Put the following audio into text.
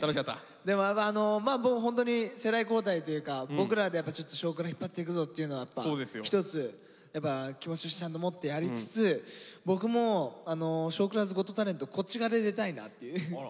でもホントに世代交代というか僕らで「少クラ」引っ張っていくぞっていうのは一つ気持ちとしてちゃんと持ってやりつつ僕も「ショークラズゴットタレント」こっち側で出たいなっていう。